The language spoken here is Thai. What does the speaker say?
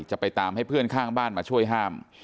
จะไปตามให้เพื่อนข้างบ้านมาช่วยห้าม